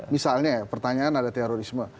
misalnya pertanyaan ada terorisme